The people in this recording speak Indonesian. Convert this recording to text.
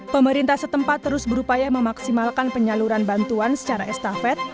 pemerintah setempat terus berupaya memaksimalkan penyaluran bantuan secara estafet